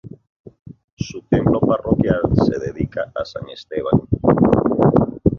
Su templo parroquial se dedica a San Esteban.